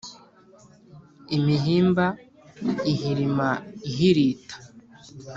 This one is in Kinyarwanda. imihimba ihirima ihirita